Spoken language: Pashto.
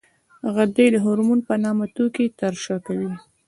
غدې د هورمون په نامه توکي ترشح کوي.